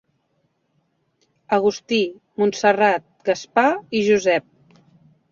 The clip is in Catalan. Agustí, Montserrat, Gaspar i Josep.